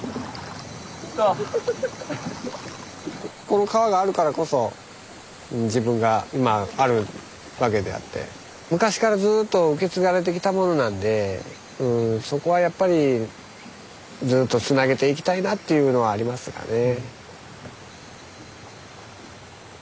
この川があるからこそ自分が今あるわけであって昔からずっと受け継がれてきたものなんでそこはやっぱりずっとつなげていきたいなっていうのはありますかね。